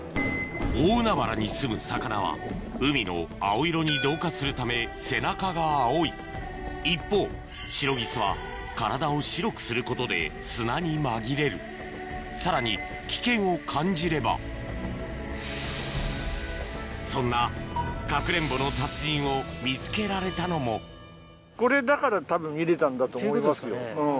大海原にすむ魚は海の青色に同化するため背中が青い一方シロギスは体を白くすることで砂に紛れるさらに危険を感じればそんなかくれんぼの達人を見つけられたのもたぶん見れたんだと思いますよ。